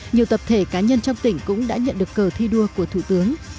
nhiều tập thể cá nhân trong tỉnh cũng đã nhận được cờ thi đua của thủ tướng